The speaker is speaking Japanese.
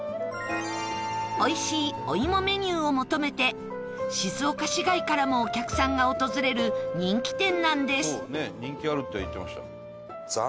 美味しいお芋メニューを求めて静岡市街からもお客さんが訪れる人気店なんです